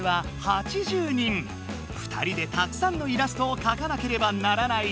２人でたくさんのイラストをかかなければならない。